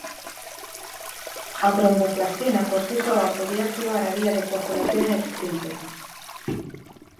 A tromboplastina por si soa podía activar a vía de coagulación extrínseca.